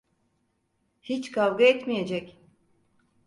Hiç kavga etmeyecek…